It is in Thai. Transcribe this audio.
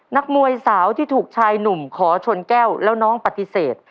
นักมวยสาวที่ถูกชายหนุ่มขอชนแก้วแล้วน้องปฏิเสธ